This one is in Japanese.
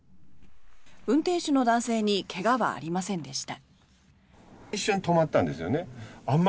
運転手の男性に怪我はありませんでした。